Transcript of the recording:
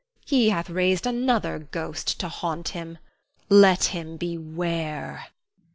He hath raised another ghost to haunt him. Let him beware!